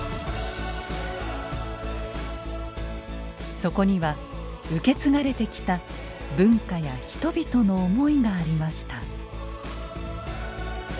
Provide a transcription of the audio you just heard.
そこには受け継がれてきた文化や人々の思いがありました。